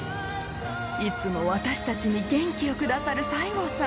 いつも私たちに元気をくださる西郷さん。